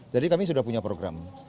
jadi kami sudah punya program